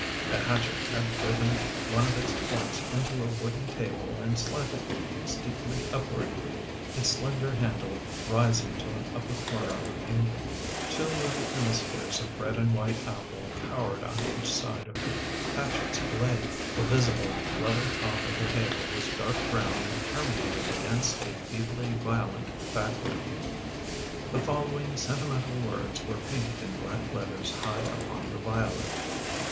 The hatchet had driven one of its points into a wooden table and slanted steeply upward, its slen der handle rising to an upper corner of the painting. Two little hemispheres of red and white apple cowered on each side of the hatchet's blade. The visible, level top of the table was dark brown and terminated against a feebly violet background. The following sentimental words were painted in black letters high upon the violet.